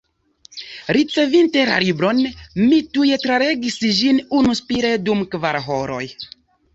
Ricevinte la libron, mi tuj tralegis ĝin unuspire dum kvar horoj.